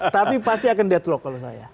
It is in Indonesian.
tapi pasti akan deadlock kalau saya